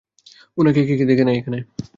উনাকে কে দেখে নাই, এখানে?